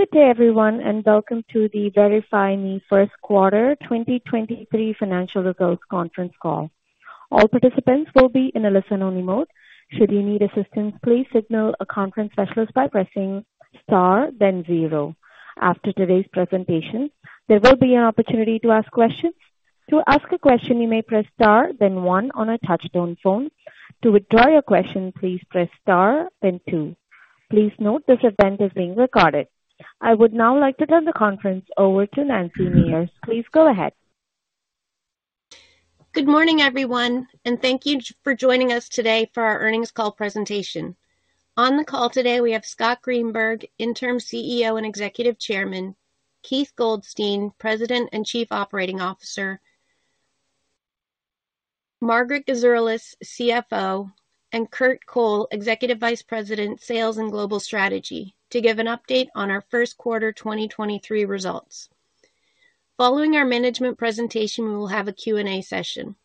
Good day everyone, and welcome to the VerifyMe 1st Quarter 2023 Financial Results Conference Call. All participants will be in a listen-only mode. Should you need assistance, please signal a conference specialist by pressing Star then zero After today's presentation, there will be an opportunity to ask questions. To ask a question, you may press Star then one on a touch-tone phone. To withdraw your question, please press Star then two. Please note this event is being recorded. I would now like to turn the conference over to Nancy Meyers. Please go ahead. Good morning, everyone. Thank you for joining us today for our earnings call presentation. On the call today, we have Scott Greenberg, Interim CEO and Executive Chairman, Keith Goldstein, President and Chief Operating Officer, Margaret Gezerlis, CFO, and Kurt Cole, Executive Vice President, Sales and Global Strategy, to give an update on our first quarter 2023 results. Following our management presentation, we will have a Q&A session.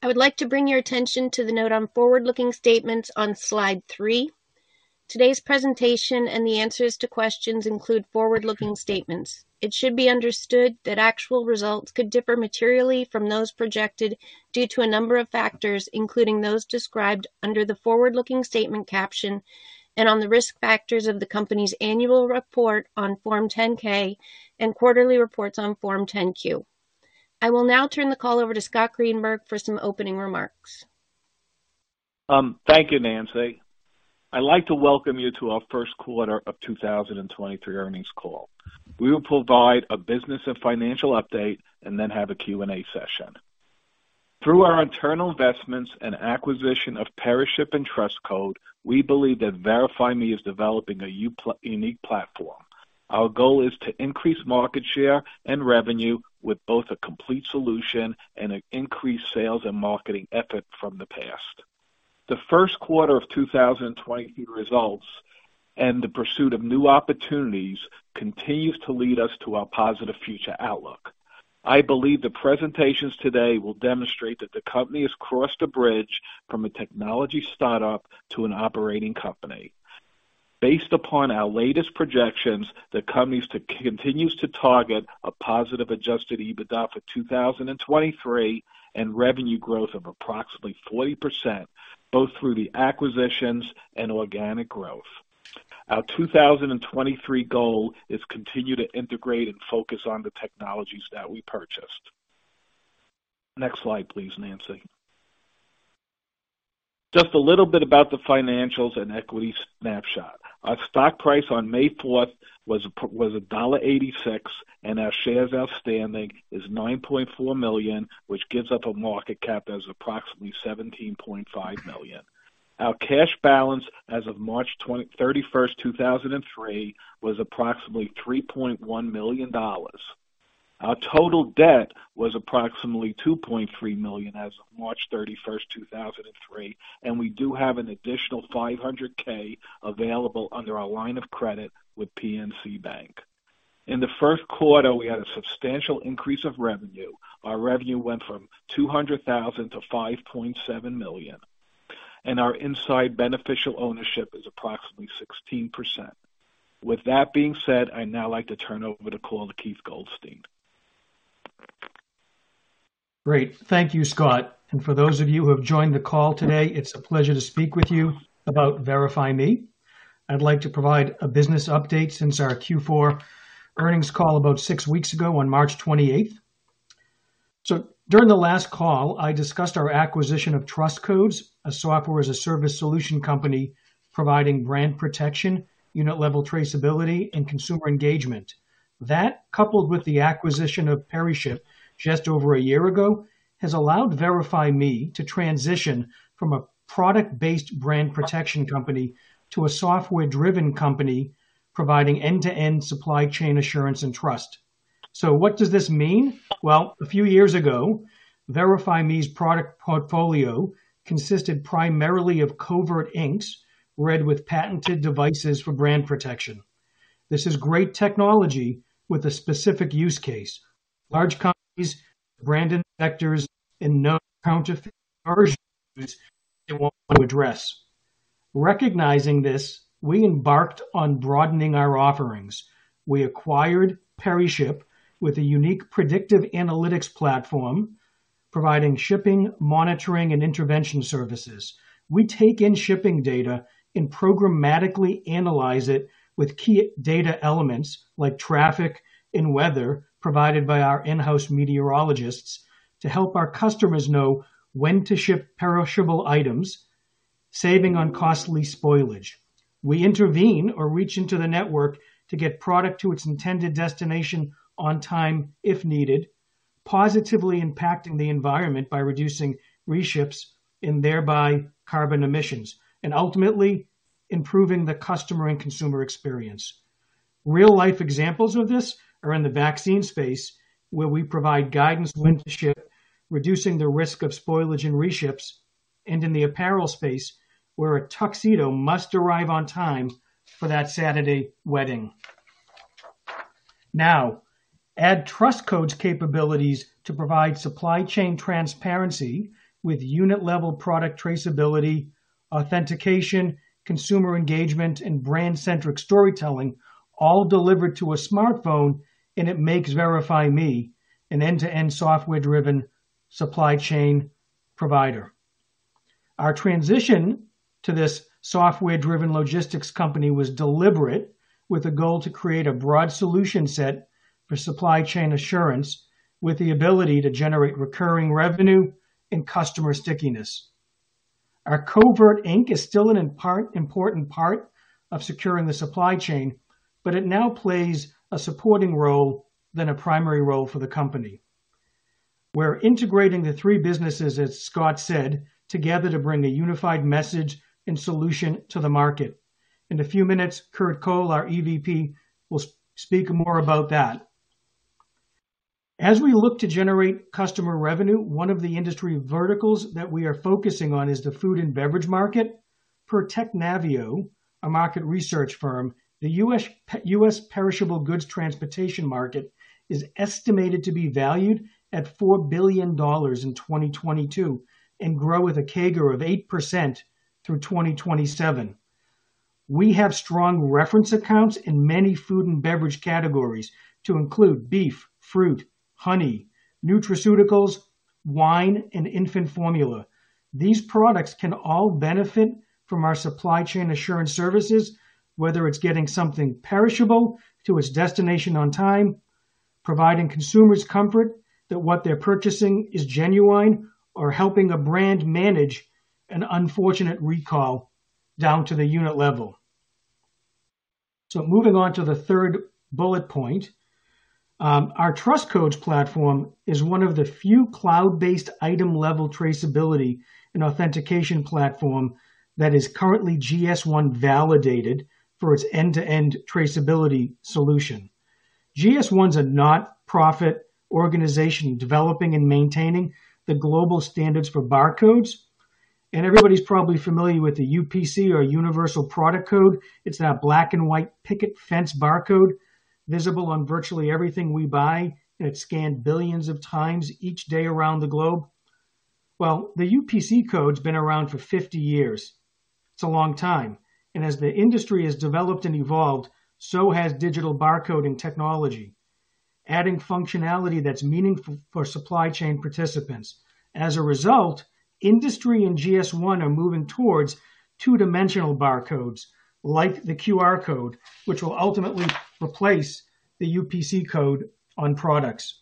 I would like to bring your attention to the note on forward-looking statements on slide 3. Today's presentation and the answers to questions include forward-looking statements. It should be understood that actual results could differ materially from those projected due to a number of factors, including those described under the forward-looking statement caption and on the risk factors of the company's annual report on Form 10-K and quarterly reports on Form 10-Q. I will now turn the call over to Scott Greenberg for some opening remarks. Thank you, Nancy. I'd like to welcome you to our 1st Quarter of 2023 Earnings Call. We will provide a business and financial update and then have a Q&A session. Through our internal investments and acquisition of PeriShip and Trust Codes, we believe that VerifyMe is developing a unique platform. Our goal is to increase market share and revenue with both a complete solution and an increased sales and marketing effort from the past. The 1st quarter of 2023 results and the pursuit of new opportunities continues to lead us to our positive future outlook. I believe the presentations today will demonstrate that the company has crossed a bridge from a technology startup to an operating company. Based upon our latest projections, the company continues to target a positive adjusted EBITDA for 2023 and revenue growth of approximately 40%, both through the acquisitions and organic growth. Our 2023 goal is continue to integrate and focus on the technologies that we purchased. Next slide, please, Nancy. Just a little bit about the financials and equity snapshot. Our stock price on May 4 was $1.86 and our shares outstanding is 9.4 million, which gives up a market cap that is approximately $17.5 million. Our cash balance as of March 31, 2003 was approximately $3.1 million. Our total debt was approximately $2.3 million as of March 31, 2003. We do have an additional $500K available under our line of credit with PNC Bank. In the first quarter, we had a substantial increase of revenue. Our revenue went from $200,000 to $5.7 million, and our inside beneficial ownership is approximately 16%. With that being said, I'd now like to turn over the call to Keith Goldstein. Great. Thank you, Scott. For those of you who have joined the call today, it's a pleasure to speak with you about VerifyMe. I'd like to provide a business update since our Q4 earnings call about six, weeks ago on March 28. During the last call, I discussed our acquisition of Trust Codes, a software-as-a-service solution company providing brand protection, unit level traceability, and consumer engagement. That, coupled with the acquisition of PeriShip just over one year ago, has allowed VerifyMe to transition from a product-based brand protection company to a software-driven company providing end-to-end supply chain assurance and trust. What does this mean? Well, a few years ago, VerifyMe's product portfolio consisted primarily of covert inks, read with patented devices for brand protection. This is great technology with a specific use case. Large companies, brand inspectors, and no counterfeit versions to address. Recognizing this, we embarked on broadening our offerings. We acquired PeriShip with a unique predictive analytics platform providing shipping, monitoring, and intervention services. We take in shipping data and programmatically analyze it with key data elements like traffic and weather, provided by our in-house meteorologists to help our customers know when to ship perishable items, saving on costly spoilage. We intervene or reach into the network to get product to its intended destination on time if needed, positively impacting the environment by reducing reships and thereby carbon emissions, and ultimately improving the customer and consumer experience. Real-life examples of this are in the vaccine space, where we provide guidance when to ship, reducing the risk of spoilage and reships, and in the apparel space, where a tuxedo must arrive on time for that Saturday wedding. Add Trust Codes capabilities to provide supply chain transparency with unit level product traceability, authentication, consumer engagement, and brand-centric storytelling, all delivered to a smartphone, and it makes VerifyMe an end-to-end software driven supply chain provider. Our transition to this software driven logistics company was deliberate, with a goal to create a broad solution set for supply chain assurance with the ability to generate recurring revenue and customer stickiness. Our Covert Ink is still an important part of securing the supply chain, but it now plays a supporting role than a primary role for the company. We're integrating the three businesses, as Scott said, together to bring a unified message and solution to the market. In a few minutes, Kurt Cole, our EVP, will speak more about that. As we look to generate customer revenue, one of the industry verticals that we are focusing on is the food and beverage market. Per Technavio, a market research firm, the U.S. perishable goods transportation market is estimated to be valued at $4 billion in 2022 and grow with a CAGR of 8% through 2027. We have strong reference accounts in many food and beverage categories to include beef, fruit, honey, nutraceuticals, wine, and infant formula. These products can all benefit from our supply chain assurance services, whether it's getting something perishable to its destination on time, providing consumers comfort that what they're purchasing is genuine, or helping a brand manage an unfortunate recall down to the unit level. Moving on to the third bullet point. Our Trust Codes platform is one of the few cloud-based item-level traceability and authentication platform that is currently GS1 validated for its end-to-end traceability solution. GS1 is a nonprofit organization developing and maintaining the global standards for barcodes. Everybody's probably familiar with the UPC or Universal Product Code. It's that black and white picket fence barcode visible on virtually everything we buy, and it's scanned billions of times each day around the globe. The UPC code's been around for 50 years. It's a long time. As the industry has developed and evolved, so has digital barcoding technology, adding functionality that's meaningful for supply chain participants. As a result, industry and GS1 are moving towards two-dimensional barcodes like the QR code, which will ultimately replace the UPC code on products.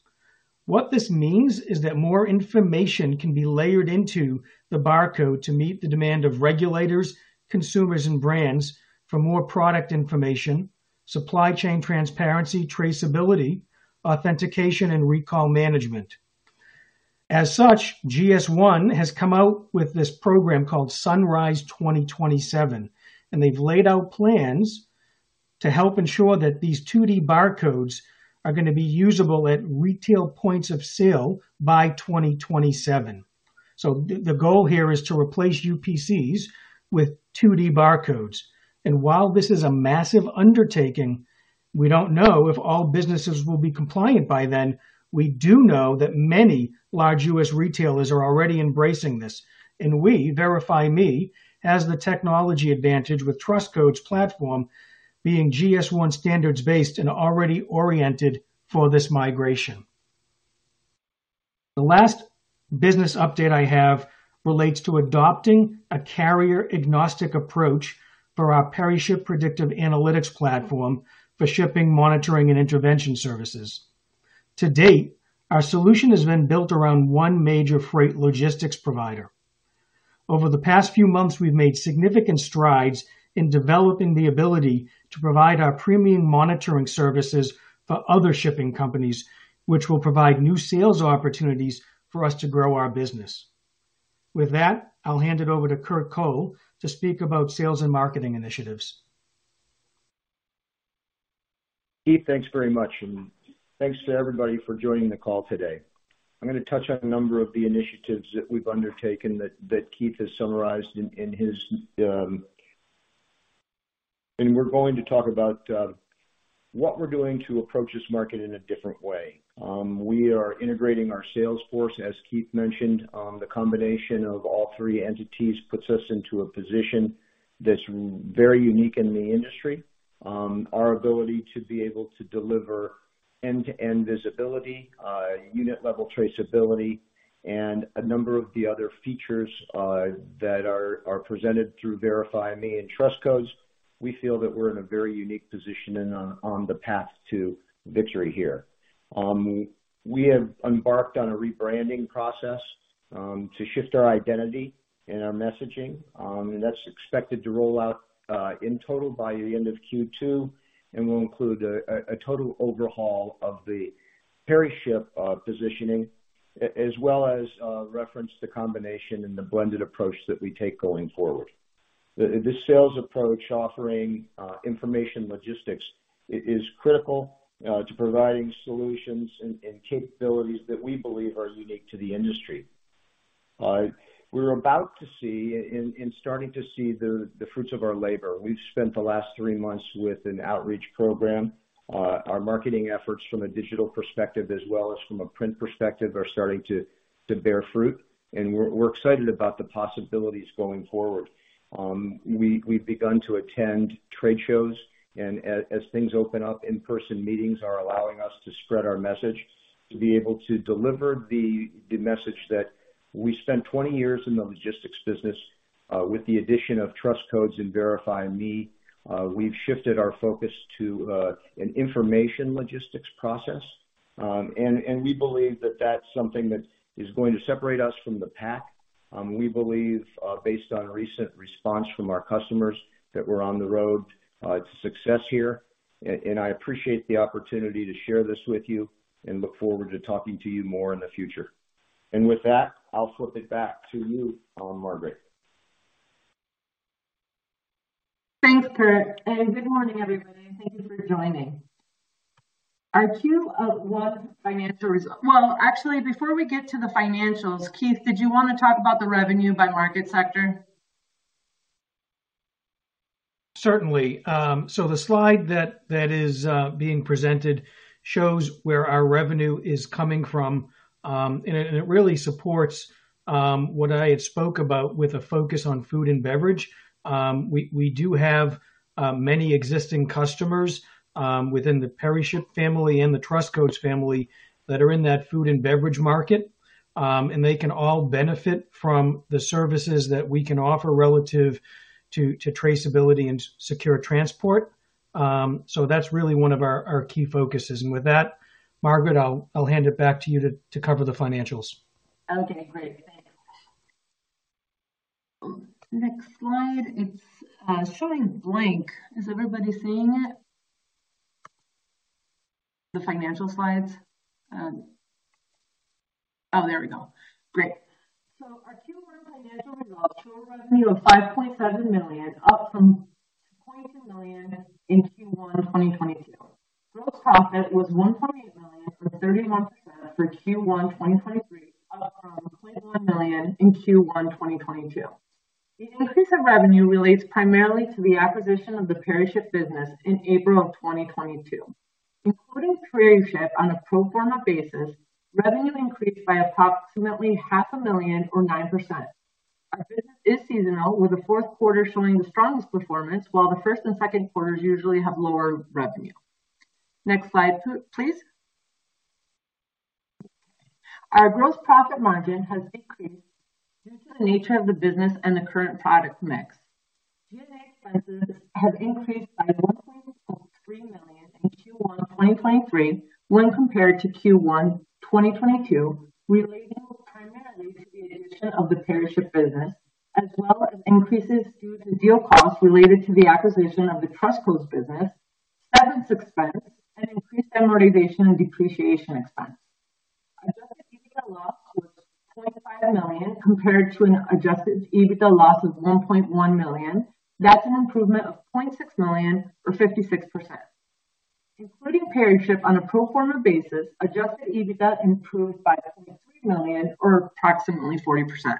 What this means is that more information can be layered into the barcode to meet the demand of regulators, consumers, and brands for more product information, supply chain transparency, traceability, authentication, and recall management. As such, GS1 has come out with this program called Sunrise 2027. They've laid out plans to help ensure that these 2D barcodes are gonna be usable at retail points of sale by 2027. The goal here is to replace UPCs with 2D barcodes. While this is a massive undertaking, we don't know if all businesses will be compliant by then. We do know that many large U.S. retailers are already embracing this, and we, VerifyMe, has the technology advantage with Trust Codes platform being GS1 standards based and already oriented for this migration. The last business update I have relates to adopting a carrier agnostic approach for our PeriShip predictive analytics platform for shipping, monitoring, and intervention services. To date, our solution has been built around one major freight logistics provider. Over the past few months, we've made significant strides in developing the ability to provide our premium monitoring services for other shipping companies, which will provide new sales opportunities for us to grow our business. With that, I'll hand it over to Kurt Cole to speak about sales and marketing initiatives. Keith, thanks very much, and thanks to everybody for joining the call today. I'm gonna touch on a number of the initiatives that we've undertaken that Keith has summarized in his. We're going to talk about what we're doing to approach this market differently. We are integrating our sales force, as Keith mentioned. The combination of all three entities puts us into a position that's very unique in the industry. Our ability to be able to deliver end-to-end visibility, unit level traceability, and a number of the other features that are presented through VerifyMe and Trust Codes. We feel that we're in a very unique position and on the path to victory here. We have embarked on a rebranding process to shift our identity and our messaging, and that's expected to roll out in total by the end of Q2, and will include a total overhaul of the PeriShip positioning as well as reference the combination and the blended approach that we take going forward. This sales approach offering information logistics is critical to providing solutions and capabilities that we believe are unique to the industry. We're about to see and starting to see the fruits of our labor. We've spent the last three months with an outreach program. Our marketing efforts from a digital perspective as well as from a print perspective are starting to bear fruit, and we're excited about the possibilities going forward. We've begun to attend trade shows, as things open up in-person meetings are allowing us to spread our message, to be able to deliver the message that we spent 20 years in the logistics business, with the addition of Trust Codes and VerifyMe, we've shifted our focus to an information logistics process. We believe that that's something that is going to separate us from the pack. We believe, based on recent response from our customers that we're on the road to success here. I appreciate the opportunity to share this with you and look forward to talking to you more in the future. With that, I'll flip it back to you, Margaret. Thanks, Kurt. Good morning, everybody, and thank you for joining. Well, actually, before we get to the financials, Keith, did you wanna talk about the revenue by market sector? Certainly. The slide that is being presented shows where our revenue is coming from. It really supports what I had spoke about with a focus on food and beverage. We do have many existing customers within the PeriShip family and the Trust Codes family that are in that food and beverage market. They can all benefit from the services that we can offer relative to traceability and secure transport. That's really one of our key focuses. With that, Margaret, I'll hand it back to you to cover the financials. Okay, great. Thanks. Next slide. It's showing blank. Is everybody seeing it? The financial slides? Oh, there we go. Great. Our Q1 financial results show a revenue of $5.7 million, up from $0.2 million in Q1 2022. Gross profit was $1.8 million from 31% for Q1 2023, up from $0.1 million in Q1 2022. The increase of revenue relates primarily to the acquisition of the PeriShip business in April of 2022. Including PeriShip on a pro forma basis, revenue increased by approximately half a million or 9%. Our business is seasonal, with the fourth quarter showing the strongest performance, while the first and second quarters usually have lower revenue. Next slide please. Our gross profit margin has increased due to the nature of the business and the current product mix. G&A expenses have increased by $1.43 million in Q1 2023 when compared to Q1 2022, relating primarily to the addition of the PeriShip business, as well as increases due to deal costs related to the acquisition of the Trust Codes business, severance expense, and increased amortization and depreciation expense. Adjusted EBITDA loss was $0.5 million compared to an adjusted EBITDA loss of $1.1 million. That's an improvement of $0.6 million or 56%. Including PeriShip on a pro forma basis, adjusted EBITDA improved by $0.3 million or approximately 40%.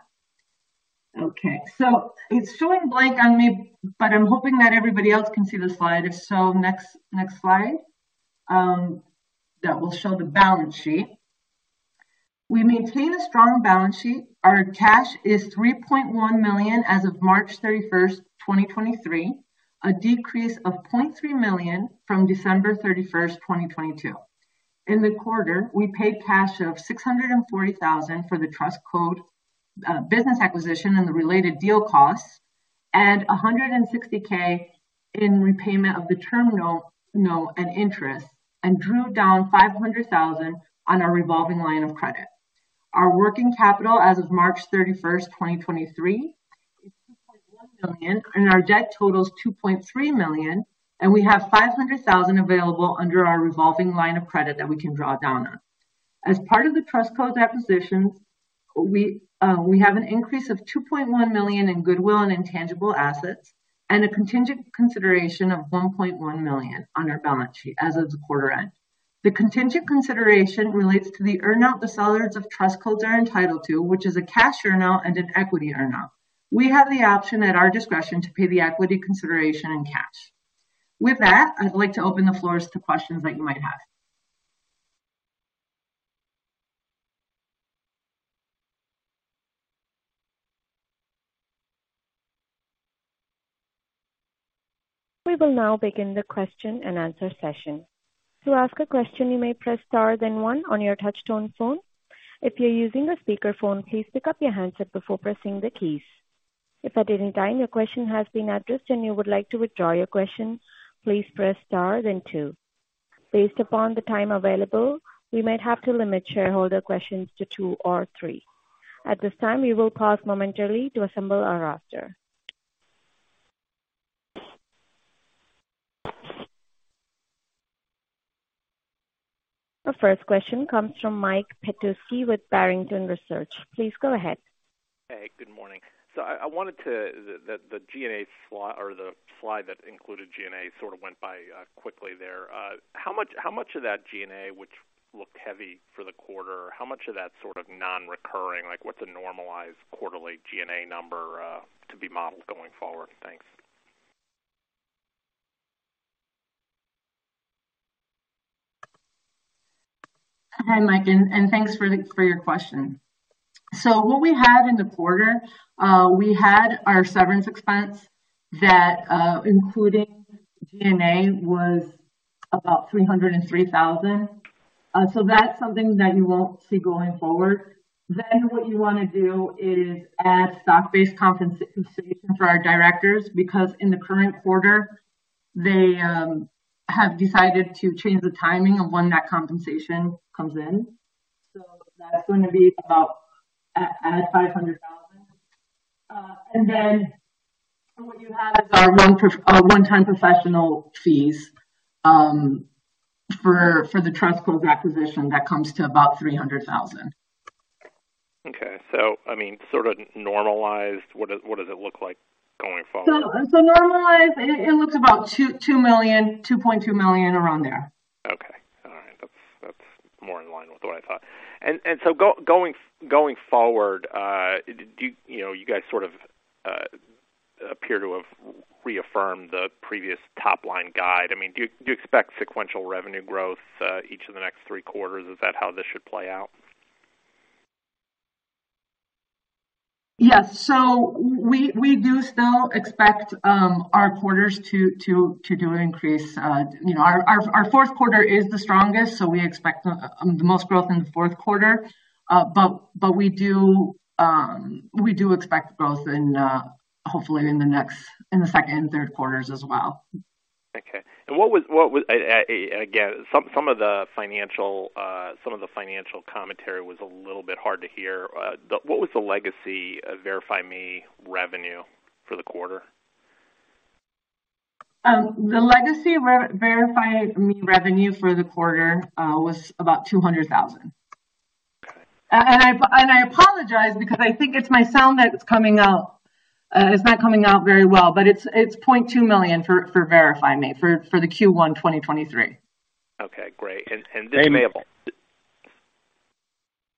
Okay, it's showing blank on me, but I'm hoping that everybody else can see the slide. If so, next slide, that will show the balance sheet. We maintain a strong balance sheet. Our cash is $3.1 million as of March 31, 2023, a decrease of $0.3 million from December 31, 2022. In the quarter, we paid cash of $640,000 for the Trust Codes business acquisition and the related deal costs, and $160K in repayment of the terminal note and interest, and drew down $500,000 on our revolving line of credit. Our working capital as of March 31, 2023 is $2.1 million, and our debt totals $2.3 million, and we have $500,000 available under our revolving line of credit that we can draw down on. As part of the Trust Codes acquisition, we have an increase of $2.1 million in goodwill and intangible assets and a contingent consideration of $1.1 million on our balance sheet as of the quarter end. The contingent consideration relates to the earnout the sellers of Trust Codes are entitled to, which is a cash earnout and an equity earnout. We have the option at our discretion to pay the equity consideration in cash. With that, I'd like to open the floors to questions that you might have. We will now begin the question-and-answer session. To ask a question, you may press star then one on your touch-tone phone. If you're using a speakerphone, please pick up your handset before pressing the keys. If at any time your question has been addressed and you would like to withdraw your question, please press star then two. Based upon the time available, we might have to limit shareholder questions to two or three. At this time, we will pause momentarily to assemble our roster. The first question comes from Michael Petusky with Barrington Research. Please go ahead. Hey, good morning. The slide that included G&A sort of went by quickly there. How much of that G&A, which looked heavy for the quarter, how much of that's sort of non-recurring? Like, what's a normalized quarterly G&A number to be modeled going forward? Thanks. Hi, Mike, and thanks for your question. What we had in the quarter, we had our severance expense that, including G&A was about $303,000. That's something that you won't see going forward. What you wanna do is add stock-based compensation for our directors, because in the current quarter, they have decided to change the timing of when that compensation comes in. That's gonna be about add $500,000. What you have is our one-time professional fees for the Trust Codes acquisition that comes to about $300,000. Okay. I mean, sort of normalized, what does it look like going forward? Normalized it looks about $2 million, $2.2 million around there. Okay. All right. That's, that's more in line with what I thought. Going forward, you know, you guys sort of appear to have reaffirmed the previous top-line guide. I mean, do you expect sequential revenue growth each of the next three quarters? Is that how this should play out? Yes. We do still expect our quarters to do increase. You know, our fourth quarter is the strongest, so we expect the most growth in the fourth quarter. We do expect growth in hopefully in the second and third quarters as well. Okay. Again, some of the financial commentary was a little bit hard to hear. What was the legacy of VerifyMe revenue for the quarter? The legacy VerifyMe revenue for the quarter was about $200,000. Okay. I apologize because I think it's my sound that's coming out. It's not coming out very well, but it's $0.2 million for VerifyMe, for the Q1 2023. Okay, great. this may. Amy.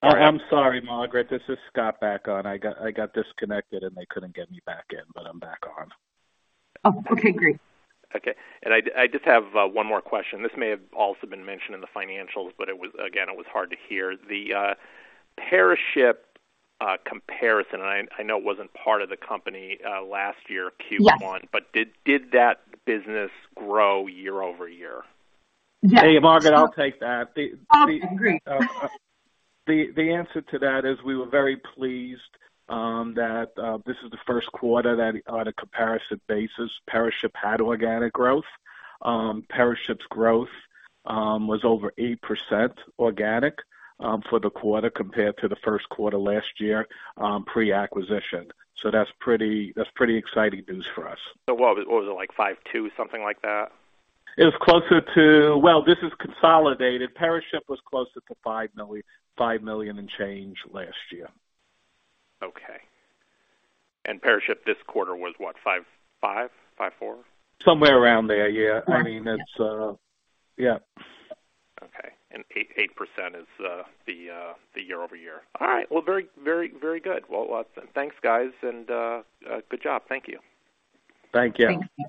All right. I'm sorry, Margaret. This is Scott back on. I got disconnected, and they couldn't get me back in, but I'm back on. Oh, okay, great. Okay. I just have one more question. This may have also been mentioned in the financials, but it was, again, it was hard to hear. The PeriShip comparison, I know it wasn't part of the company last year, Q one. Yes. Did that business grow year-over-year? Yes. Hey, Margaret, I'll take that. Okay, great. The answer to that is we were very pleased that this is the first quarter that on a comparison basis, PeriShip had organic growth. PeriShip's growth was over 8% organic for the quarter compared to the first quarter last year, pre-acquisition. That's pretty exciting news for us. what was it like 52, something like that? Well, this is consolidated. PeriShip was closer to $5 million, $5 million and change last year. Okay. PeriShip this quarter was what? 5.5? 5.4? Somewhere around there, yeah. Yeah. I mean, it's, yeah. Okay. 8% is the year-over-year. All right. Well, very good. Well, thanks, guys, and good job. Thank you. Thank you. Thank you.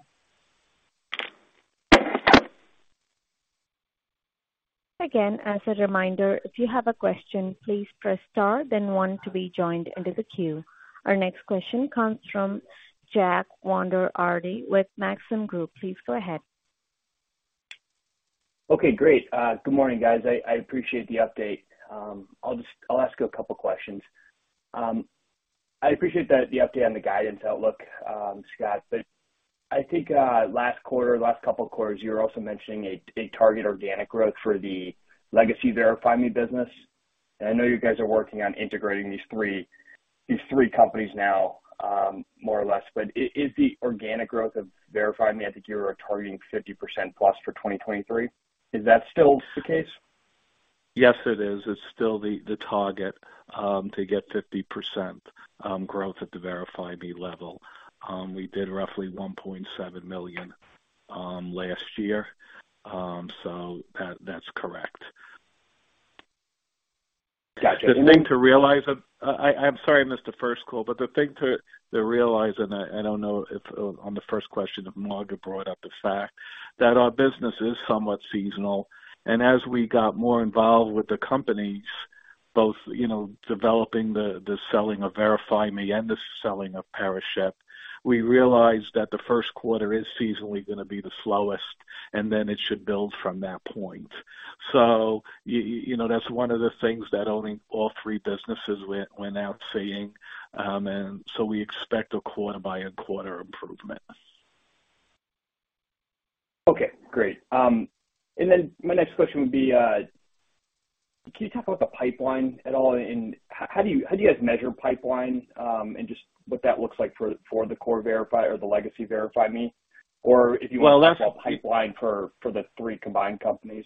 Again, as a reminder, if you have a question, please press star then one to be joined into the queue. Our next question comes from Jack Vander Aarde with Maxim Group. Please go ahead. Okay, great. Good morning, guys. I appreciate the update. I'll ask you a couple of questions. I appreciate the update on the guidance outlook, Scott, but I think last quarter, last couple of quarters, you were also mentioning a target organic growth for the legacy VerifyMe business. I know you guys are working on integrating these three companies now, more or less, but is the organic growth of VerifyMe, I think you were targeting 50% plus for 2023. Is that still the case? Yes, it is. It's still the target, to get 50% growth at the VerifyMe level. We did roughly $1.7 million last year. That's correct. Gotcha. The thing to realize, I'm sorry I missed the first call, but the thing to realize, and I don't know if on the first question if Margaret brought up the fact that our business is somewhat seasonal. As we got more involved with the companies, both, you know, developing the selling of VerifyMe and the selling of PeriShip, we realized that the first quarter is seasonally gonna be the slowest, and then it should build from that point. You know, that's one of the things that owning all three businesses we went out seeing, and so we expect a quarter by a quarter improvement. Okay, great. My next question would be, can you talk about the pipeline at all, and how do you, how do you guys measure pipeline, and just what that looks like for the core VerifyMe or the legacy VerifyMe? Well, that's...... talk about pipeline for the three combined companies.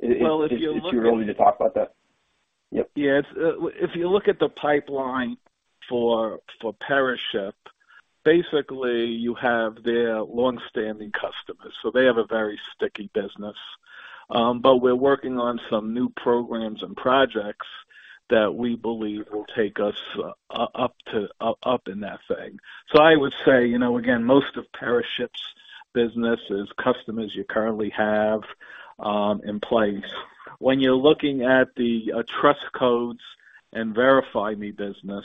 Well, if you look. If you're willing to talk about that. Yep. Yes. If you look at the pipeline for PeriShip, basically you have their long-standing customers. We're working on some new programs and projects that we believe will take us up in that thing. I would say, you know, again, most of PeriShip's business is customers you currently have in place. When you're looking at the Trust Codes and VerifyMe business,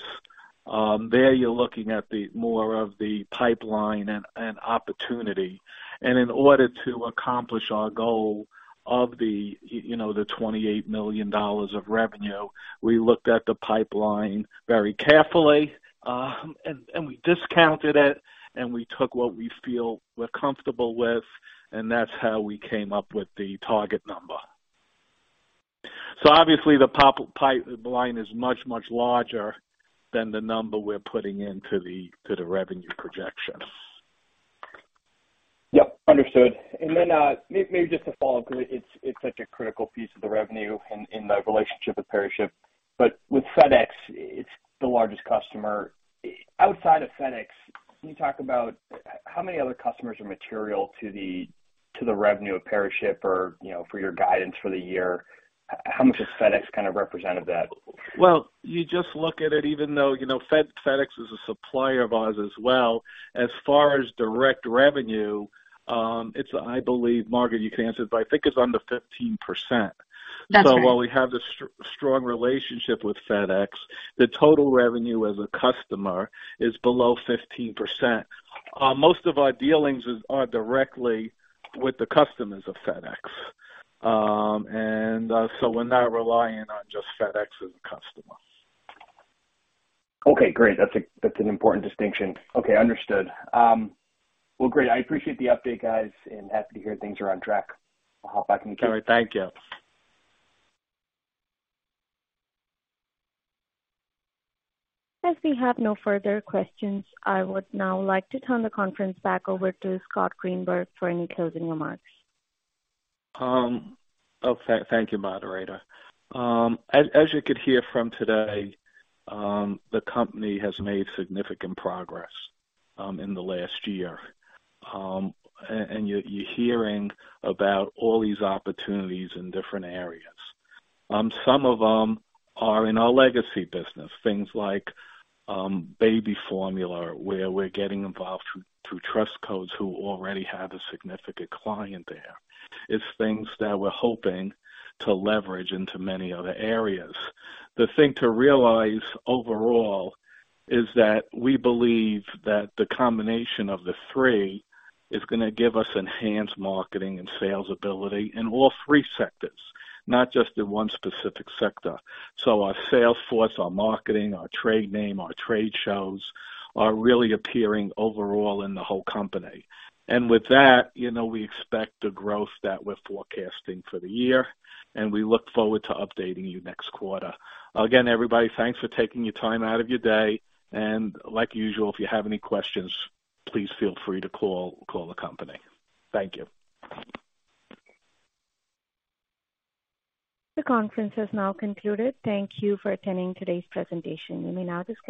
there you're looking at the more of the pipeline and opportunity. In order to accomplish our goal of the, you know, the $28 million of revenue, we looked at the pipeline very carefully, and we discounted it, and we took what we feel we're comfortable with, and that's how we came up with the target number. obviously the pipeline is much, much larger than the number we're putting to the revenue projection. Yep, understood. Maybe just a follow-up 'cause it's such a critical piece of the revenue in the relationship with PeriShip. With FedEx, it's the largest customer. Outside of FedEx, can you talk about how many other customers are material to the revenue of PeriShip or, you know, for your guidance for the year, how much has FedEx kind of represented that? You just look at it even though, you know, FedEx is a supplier of ours as well. As far as direct revenue, it's I believe, Margaret, you can answer, but I think it's under 15%. That's right. While we have this strong relationship with FedEx, the total revenue as a customer is below 15%. Most of our dealings are directly with the customers of FedEx. We're not relying on just FedEx as a customer. Okay, great. That's an important distinction. Okay. Understood. Well, great. I appreciate the update, guys, and happy to hear things are on track. I'll hop back in the queue. All right. Thank you. As we have no further questions, I would now like to turn the conference back over to Scott Greenberg for any closing remarks. Oh, thank you, moderator. As you could hear from today, the company has made significant progress in the last year. And you're hearing about all these opportunities in different areas. Some of them are in our legacy business, things like baby formula, where we're getting involved through Trust Codes who already have a significant client there. It's things that we're hoping to leverage into many other areas. The thing to realize overall is that we believe that the combination of the three is gonna give us enhanced marketing and sales ability in all three sectors, not just in one specific sector. Our sales force, our marketing, our trade name, our trade shows are really appearing overall in the whole company. With that, you know, we expect the growth that we're forecasting for the year, and we look forward to updating you next quarter. Everybody, thanks for taking your time out of your day. Like usual, if you have any questions, please feel free to call the company. Thank you. The conference has now concluded. Thank you for attending today's presentation. You may now disconnect.